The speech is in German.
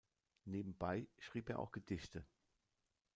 Nebenbei schrieb er auch Gedichte.